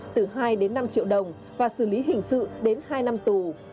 từ hai đến năm triệu đồng và xử lý hình sự đến hai năm tù